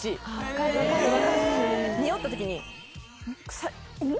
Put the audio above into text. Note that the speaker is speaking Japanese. におったときに。